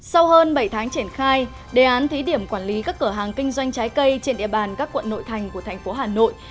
sau hơn bảy tháng triển khai đề án thí điểm quản lý các cửa hàng kinh doanh trái cây trên địa bàn các quận nội thành của thành phố hà nội